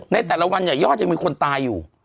ในแต่ละวันเนี่ยยอดยังมีคนตายอยู่